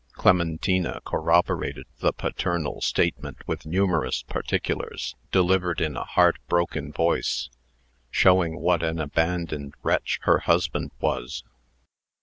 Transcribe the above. Clementina corroborated the paternal statement with numerous particulars, delivered in a heart broken voice, showing what an abandoned wretch her husband was.